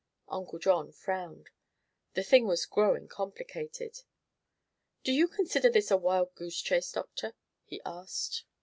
Uncle John frowned. The thing was growing complicated. "Do you consider this a wild goose chase, Doctor?" he asked.